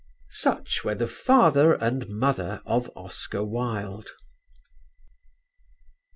Such were the father and mother of Oscar Wilde.